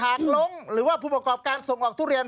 ลงหรือว่าผู้ประกอบการส่งออกทุเรียน